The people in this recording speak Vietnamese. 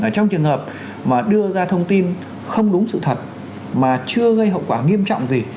trong trường hợp mà đưa ra thông tin không đúng sự thật mà chưa gây hậu quả nghiêm trọng gì